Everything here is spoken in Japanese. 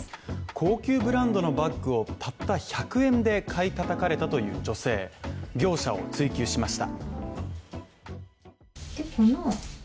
高級ブランドのバッグを、たった１００円で買いたたかれたという女性業者を追及しました。